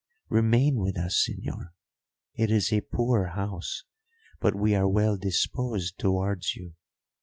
Remain with us, señor; it is a poor house, but we are well disposed towards you.